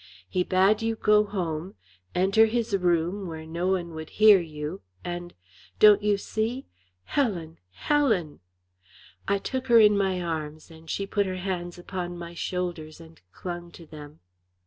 He bade you go home, enter his room, where no one would hear you, and don't you see? Helen! Helen!" I took her in my arms, and she put her hands upon my shoulders and clung to them.